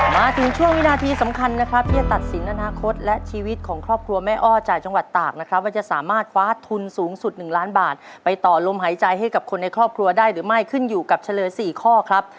มาถึงช่วงวินาทีสำคัญนะครับที่จะตัดสินอนาคตและชีวิตของครอบครัวแม่อ้อจากจังหวัดตากนะครับว่าจะสามารถคว้าทุนสูงสุด๑ล้านบาทไปต่อลมหายใจให้กับคนในครอบครัวได้หรือไม่ขึ้นอยู่กับเฉลย๔ข้อครับ